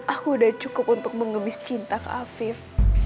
aku udah cukup untuk mengemis cinta ke afif